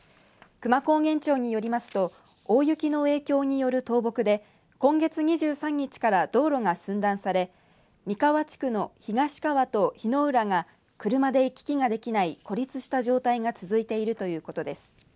久万高原町によりますと大雪の影響による倒木で今月２３日から道路が寸断され美川地区の東川と日野浦が車で行き来ができない孤立した状態が続いているということです。